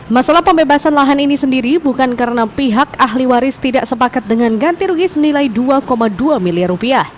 masalah pembebasan lahan ini sendiri bukan karena pihak ahli waris tidak sepakat dengan ganti rugi senilai dua dua miliar